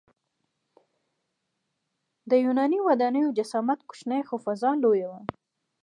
د یوناني ودانیو جسامت کوچنی خو فضا لویه وه.